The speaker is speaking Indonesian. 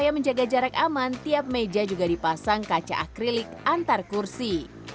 menjaga jarak aman tiap meja juga dipasang kaca akrilik antar kursi